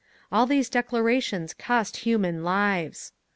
All these declarations cost human lives….